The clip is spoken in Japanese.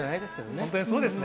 本当にそうですね。